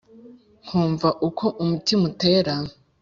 nkumva uko umutima utera,